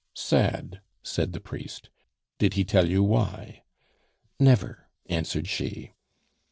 "Sad!" said the priest. "Did he tell you why?" "Never," answered she.